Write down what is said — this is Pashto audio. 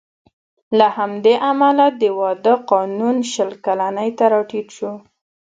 له همدې امله د واده قانون شل کلنۍ ته راټیټ شو